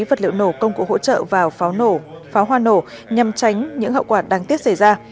vật liệu nổ công cụ hỗ trợ vào pháo hoa nổ nhằm tránh những hậu quả đáng tiếc xảy ra